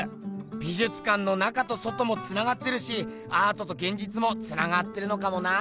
美じゅつかんの中と外もつながってるしアートとげんじつもつながってるのかもな。